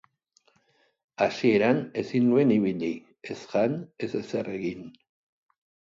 Hasieran ezin nuen ibili, ez jan, ez ezer egin.